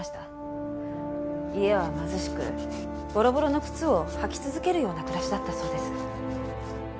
家は貧しくボロボロの靴を履き続けるような暮らしだったそうです。